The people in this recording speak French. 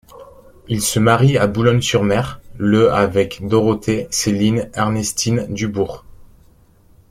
Il se marie à Boulogne-sur-Mer, le avec Dorothée Céline Ernestine Dubourt.